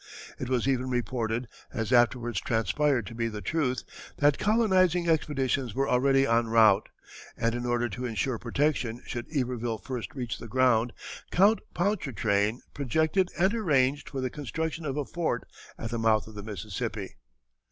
It was even reported, as afterward transpired to be the truth, that colonizing expeditions were already en route, and in order to insure protection should Iberville first reach the ground, Count Pontchartrain projected and arranged for the construction of a fort at the mouth of the Mississippi.